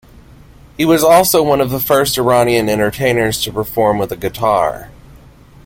He was also one of the first Iranian entertainers to perform with a guitar.